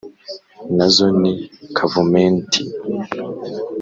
nazo ni kavumenti :